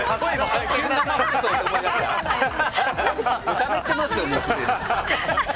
しゃべってますよ、すでに。